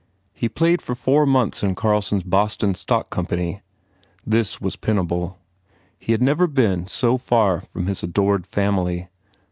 He played for four months in Carlson s Boston stock company. This was penible. He had never been so far from his adored family.